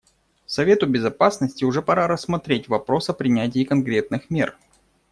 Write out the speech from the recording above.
Совету Безопасности уже пора рассмотреть вопрос о принятии конкретных мер.